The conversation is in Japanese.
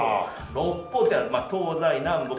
六方って東西南北